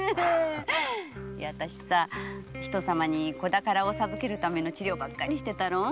私さ人様に子宝を授ける治療ばかりしてたろう？